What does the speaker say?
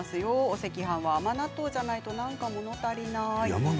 お赤飯は甘納豆じゃないと何かもの足りない。